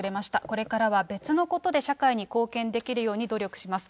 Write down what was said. これからは別のことで社会に貢献できるように努力します。